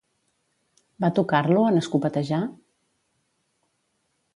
Va tocar-lo, en escopetejar?